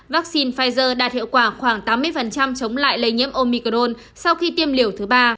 vaccine pfizer đạt hiệu quả khoảng tám mươi chống lại lây nhiễm omicron sau khi tiêm liều thứ ba